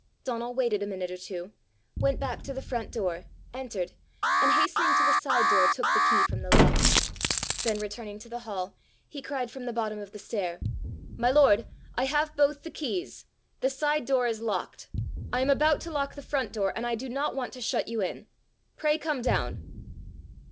Donal waited a minute or two, went back to the front door, entered, and hastening to the side door took the key from the lock. Then returning to the hall, he cried from the bottom of the stair, "My lord, I have both the keys; the side door is locked; I am about to lock the front door, and I do not want to shut you in. Pray, come down."